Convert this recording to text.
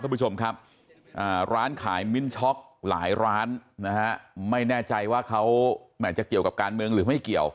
คุณผู้ชมครับร้านขายมิ้นช็อกหลายร้านนะฮะไม่แน่ใจว่าเขาแหม่จะเกี่ยวกับการเมืองหรือไม่เกี่ยว